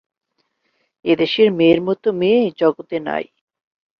এ দেশের মেয়ের মত মেয়ে জগতে নাই।